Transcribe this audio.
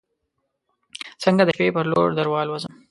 څنګه د شپې پر لور دروالوزم